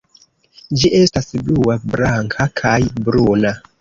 Ĝi estas blua, blanka, kaj bruna.